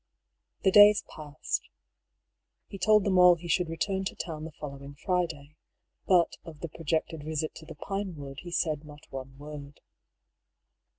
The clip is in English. The days passed. He told them all he should return to town the following Friday. But of the projected visit to the Pinewood he said not one word.